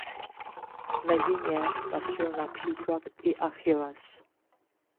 Mezi ně patřil například i Achilles.